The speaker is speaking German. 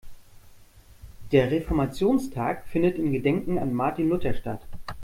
Der Reformationstag findet in Gedenken an Martin Luther statt.